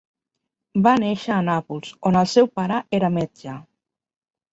Va néixer a Nàpols on el seu pare era metge.